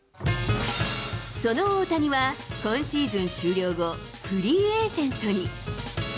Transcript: その大谷は今シーズン終了後、フリーエージェントに。